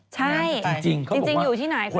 ใช่จริงอยู่ที่ไหน